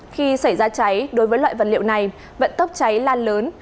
khi xảy ra cháy đối với loại vật liệu này vận tốc cháy lan lớn